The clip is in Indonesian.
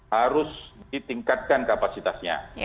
harus ditingkatkan kapasitasnya